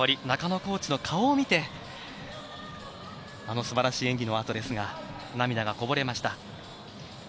中野コーチの顔を見てあの素晴らしい演技のあとですが涙がこぼれました。